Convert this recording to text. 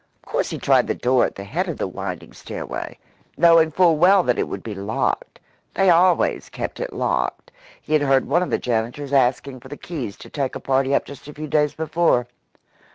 Of course he tried the door at the head of the winding stairway, knowing full well that it would be locked. They always kept it locked; he had heard one of the janitors asking for the keys to take a party up just a few days before.